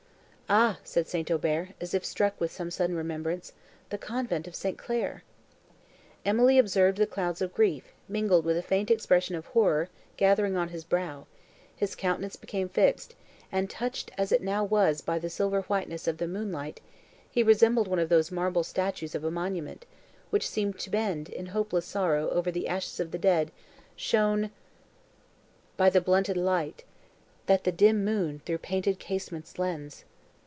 "Ah!" said St. Aubert, as if struck with some sudden remembrance, "the convent of St. Clair!" Emily observed the clouds of grief, mingled with a faint expression of horror, gathering on his brow; his countenance became fixed, and, touched as it now was by the silver whiteness of the moonlight, he resembled one of those marble statues of a monument, which seem to bend, in hopeless sorrow, over the ashes of the dead, shown by the blunted light That the dim moon through painted casements lends.